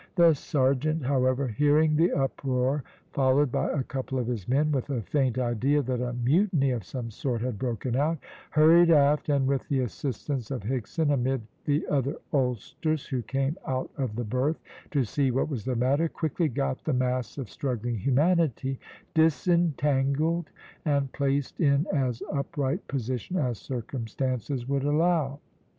The serjeant, however, hearing the uproar, followed by a couple of his men, with a faint idea that a mutiny of some sort had broken out, hurried aft, and with the assistance of Higson amid the other oldsters who came out of the berth to see what was the matter, quickly got the mass of struggling humanity disentangled and placed in as upright position as circumstances would allow.